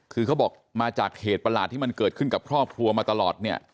คือเขาบอกมาจากเหตุปรรหลาดมันเกิดขึ้นกับพ่อคัวมาตลอด